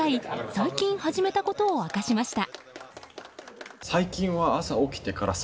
最近始めたことを明かしました。